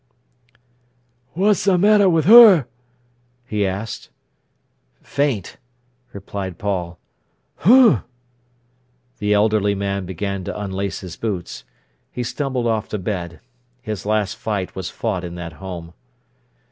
"What's a matter with 'er?" he asked. "Faint!" replied Paul. "H'm!" The elderly man began to unlace his boots. He stumbled off to bed. His last fight was fought in that home.